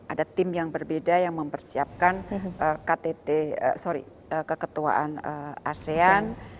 ada tim yang berbeda yang mempersiapkan ktt sorry keketuaan asean